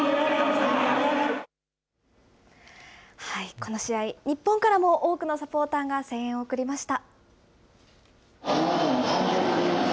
この試合、日本からも多くのサポーターが声援を送りました。